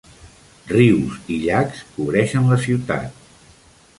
Rius i llacs cobreixen la ciutat.